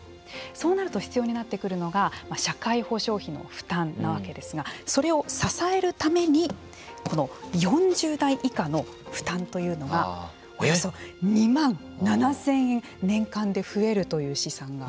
そうなると必要になってくるのが社会保障費の負担なわけですがそれを支えるためにこの４０代以下の負担というのがおよそ２万７０００円年間で増えるという試算が。